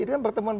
itu kan pertemuan